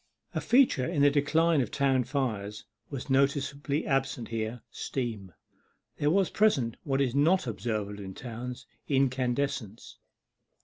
A feature in the decline of town fires was noticeably absent here steam. There was present what is not observable in towns incandescence.